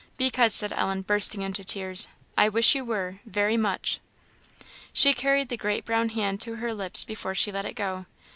"Because," said Ellen, bursting into tears, "I wish you were, very much." She carried the great brown hand to her lips before she let it go.